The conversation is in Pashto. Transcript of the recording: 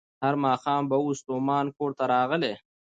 هر ماښام به وو ستومان کورته راغلی